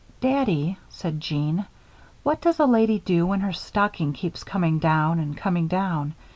"Daddy," said Jeanne, "what does a lady do when her stocking keeps coming down and coming down?